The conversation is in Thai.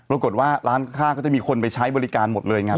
ปรากฏว่าร้านข้างก็จะมีคนไปใช้บริการหมดเลยไง